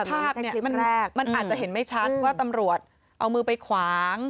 ภาพเนี่ยมันอาจจะเห็นไม่ชัดว่าตำรวจเอามือไปขวาง